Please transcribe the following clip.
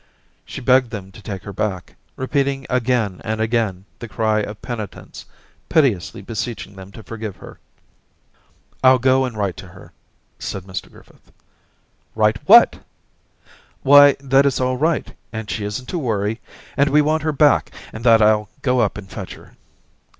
She begged them to take her back, repeating again and again the cry of penitence, piteously beseeching them to forgive her. * I'll go and write to her,' said Mr Griffith. ' Write what ?'' Why — that it's all right and she isn't to worry ; and we want her back, and that I'll go up and fetch her.'